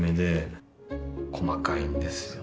細かいんですよ。